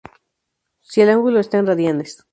Si el ángulo está en radianes.